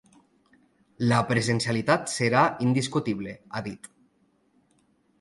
La presencialitat serà indiscutible, ha dit.